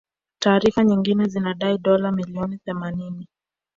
Taarifa nyingine zinadai dola milioni themanini